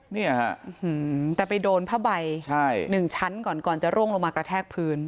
เนี่ยฮะแต่ไปโดนผ้าใบหนึ่งชั้นก่อนก่อนจะร่วงลงมากระแทกพื้น